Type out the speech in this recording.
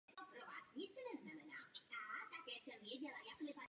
Zde již je vidět zárodek pozdějších jmen jednotlivých gruntů.